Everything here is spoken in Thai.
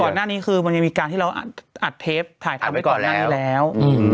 ก่อนหน้านี้คือมันยังมีการที่เราอัดเทปถ่ายทำไว้ก่อนหน้านี้แล้ว